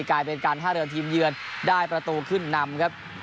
กลายเป็นการท่าเรือทีมเยือนได้ประตูขึ้นนำครับ